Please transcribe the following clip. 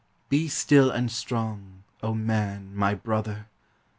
Be still and strong, O man, my brother!